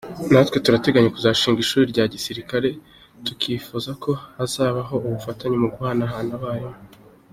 Natwe turateganya gutangiza ishuri rya gisirikari, tukifuza ko hazabaho ubufatanye mu guhanahana abarimu”.